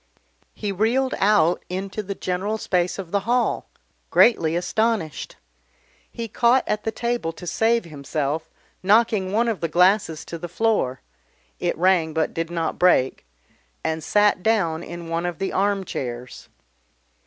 He reeled out into the general space of the hall, greatly astonished. He caught at the table to save himself, knocking one of the glasses to the floor it rang but did not break and sat down in one of the armchairs.